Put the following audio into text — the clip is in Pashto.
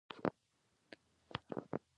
په مېله ییز ډول کرار کرار روان وو.